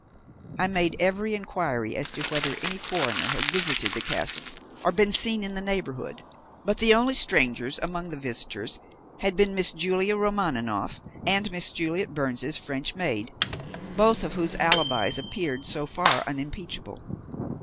I made every inquiry as to whether any foreigner had visited the castle or been seen in the neighbourhood, but the only strangers among the visitors had been Miss Julia Romaninov and Miss Juliet Byrne's French maid, both of whose alibis appeared so far unimpeachable.